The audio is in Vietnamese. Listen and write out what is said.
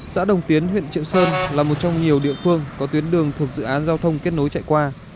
xã đồng tiến huyện triệu sơn là một trong nhiều địa phương có tuyến đường thuộc dự án giao thông kết nối chạy qua